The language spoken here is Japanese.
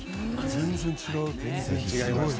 全然違う。